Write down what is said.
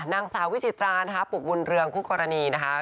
นางสาววิจิตรานะคะปลูกบุญเรืองคู่กรณีนะคะ